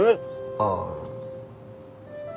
ああ。